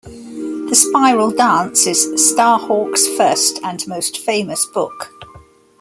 "The Spiral Dance" is Starhawk's first and most famous book.